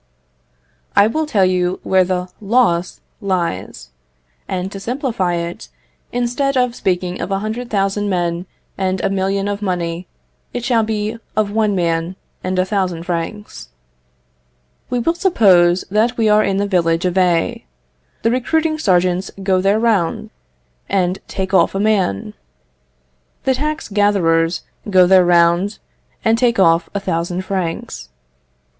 I will tell you where the loss lies; and to simplify it, instead of speaking of a hundred thousand men and a million of money, it shall be of one man and a thousand francs. We will suppose that we are in the village of A. The recruiting sergeants go their round, and take off a man. The tax gatherers go their round, and take off a thousand francs.